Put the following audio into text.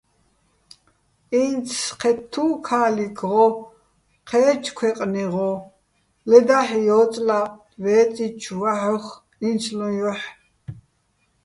ინც ჴეთთუ́ ქა́ლიქ ღო, ჴე́ჩო̆ ქვეყნი ღო, ლე დაჰ̦ ჲო́წლა ვე́წიჩო̆ ვაჰ̦ოხ ი́ნცლუჼ ჲოჰ̦.